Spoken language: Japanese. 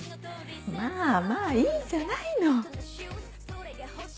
まぁまぁいいじゃないの。